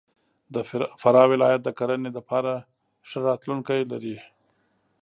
د فراه ولایت د کرهنې دپاره ښه راتلونکی لري.